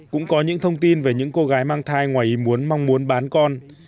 cũng có những thông tin về những cô gái mang thai ngoài ý muốn mong muốn bán con